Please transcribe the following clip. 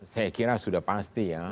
saya kira sudah pasti ya